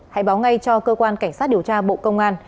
hãy báo ngay cho cơ quan cảnh sát điều tra bộ công an